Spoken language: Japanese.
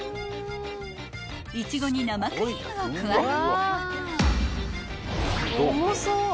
［イチゴに生クリームを加え］